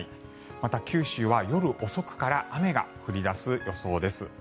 また、九州は夜遅くから雨が降り出す予想です。